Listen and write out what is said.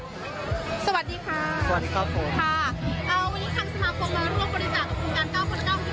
สวัสดีค่ะ